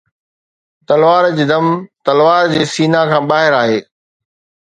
تلوار جي دم تلوار جي سينه کان ٻاهر آهي